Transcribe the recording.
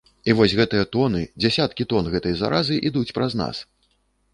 І вось гэтыя тоны, дзясяткі тон гэтай заразы ідуць праз нас.